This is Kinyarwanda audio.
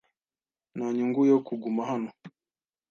Nta nyungu yo kuguma hano.